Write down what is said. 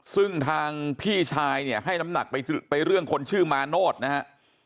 ซึ่งทางพี่ชายเนี่ยให้น้ำหนักไปเรื่องคนชื่อมาโนธนะฮะ